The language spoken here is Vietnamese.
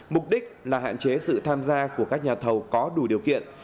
mục đích là hạn chế sự tham gia của các nhà thầu có đủ điều kiện